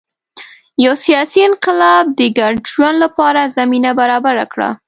یو سیاسي انقلاب د ګډ ژوند لپاره زمینه برابره کړه